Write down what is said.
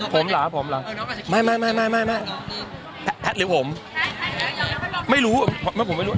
ผมเหรอผมเหรอไม่ไม่ไม่แพทย์หรือผมไม่รู้ผมไม่รู้